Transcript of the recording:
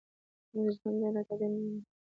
ژوند بیله تا ډیر نیمګړی دی.